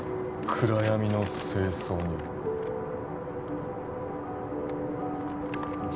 「暗闇の清掃人」